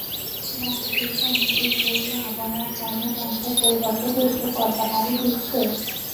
বাড়ি ফিরতে অনেকেই বৈরী আবহাওয়ার কারণে লঞ্চের পরিবর্তে ফেরিতেই পদ্মা পাড়ি দিচ্ছে।